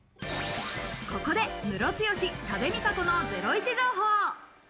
ここで、ムロツヨシ、多部未華子のゼロイチ情報。